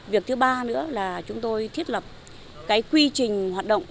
việc thứ ba nữa là chúng tôi thiết lập cái quy trình hoạt động